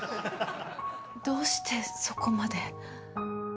どうしてそこまで。